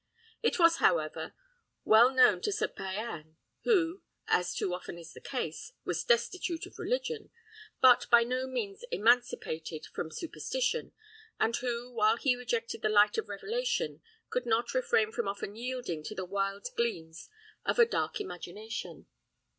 It was one, however, well known to Sir Payan, who (as too often is the case) was destitute of religion, but by no means emancipated from superstition, and who, while he rejected the light of revelation, could not refrain from often yielding to the wild gleams of a dark imagination.